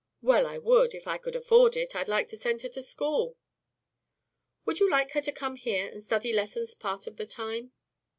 "Well, I would. If I could afford it, I'd like to send her to school." "Would you like her to come here and study lessons part of the time?"